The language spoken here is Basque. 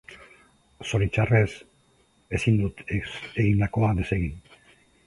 Zoritxarrez, ezin dut egindakoa desegin.